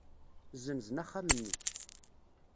Ssenzen axxam-nni.